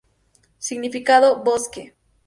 Significado: "Bosque".